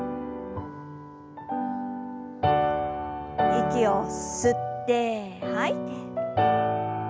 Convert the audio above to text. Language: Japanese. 息を吸って吐いて。